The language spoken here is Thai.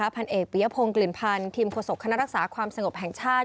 พันเอกปียพงศ์กลิ่นพันธ์ทีมโฆษกคณะรักษาความสงบแห่งชาติ